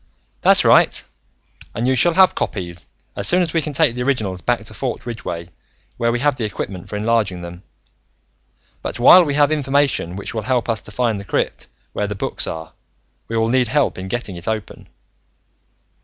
"That's right. And you shall have copies, as soon as we can take the originals back to Fort Ridgeway, where we have the equipment for enlarging them. But while we have information which will help us to find the crypt where the books are, we will need help in getting it open."